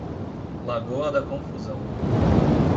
Lagoa da Confusão